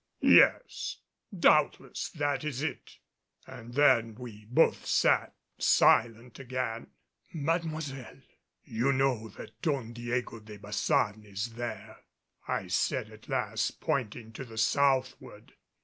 "Yes, doubtless that is it." And then we both sat silent again. "Mademoiselle, you know that Don Diego de Baçan is there," I said at last, pointing to the southward.